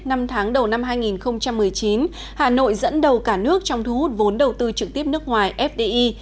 năm tháng đầu năm hai nghìn một mươi chín hà nội dẫn đầu cả nước trong thu hút vốn đầu tư trực tiếp nước ngoài fdi